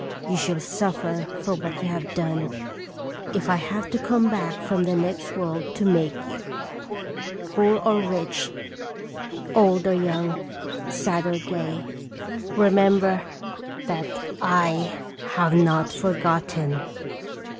You shall suffer for what you have done, if I have to come back from the next world to make you. Poor or rich, old or young, sad or gay, remember that I have not forgot ten.'"